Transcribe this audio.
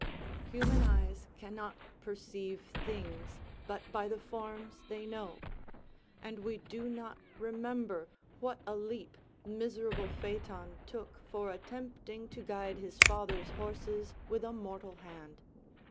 Human eyes cannot perceive things but by the forms they know; and we do not remember what a leap miserable Phæton took for attempting to guide his father's horses with a mortal hand.